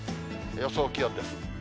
予想気温です。